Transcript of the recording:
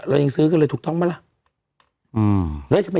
เรายังซื้อกันเลยถูกต้องไหมล่ะ